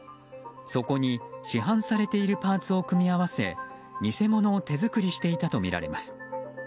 そこに市販されているパーツを組み合わせ偽物を手作りしていたとみられます。